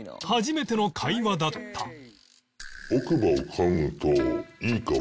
初めての会話だった